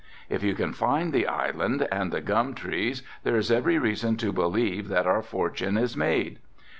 If you can find the island and the gum trees there is every reason to believe that our fortune is made.